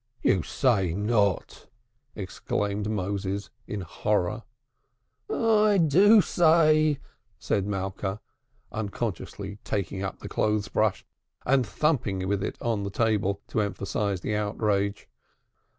"You say not!" exclaimed Moses in horror. "I do say," said Malka, unconsciously taking up the clothes brush and thumping with it on the table to emphasize the outrage.